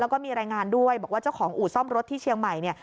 แล้วก็มีรายงานด้วยบอกว่าเจ้าของอู่ซ่อมรถที่เชียงใหม่เนี่ย